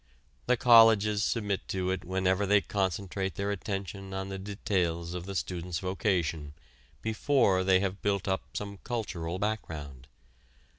The colleges submit to it whenever they concentrate their attention on the details of the student's vocation before they have built up some cultural background.